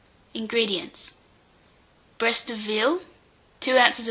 INGREDIENTS. Breast of veal, 2 oz.